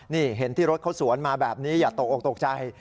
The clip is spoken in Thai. นี่เห็นที่รถเขาสวนมาแบบนี้อย่าตกออกตกใจ